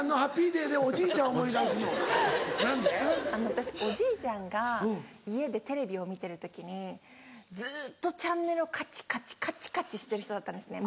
私おじいちゃんが家でテレビを見てる時にずっとチャンネルをカチカチカチカチしてる人だったんですね。